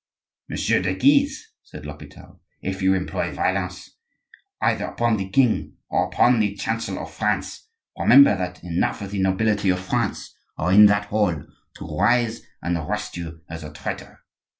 "Monsieur de Guise," said l'Hopital; "if you employ violence either upon the king or upon the chancellor of France, remember that enough of the nobility of France are in that hall to rise and arrest you as a traitor."